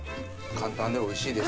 簡単でおいしいです。